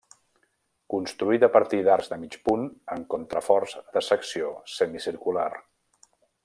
Construït a partir d'arcs de mig punt amb contraforts de secció semicircular.